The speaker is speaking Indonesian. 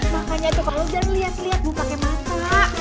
makanya tuh kalau jeng liat liat bu pake mata